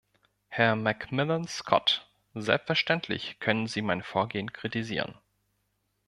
Herr McMillan-Scott, selbstverständlich können Sie mein Vorgehen kritisieren.